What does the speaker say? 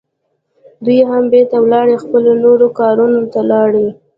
دوی هم بیرته ولاړې، خپلو نورو کارونو ته لاړې.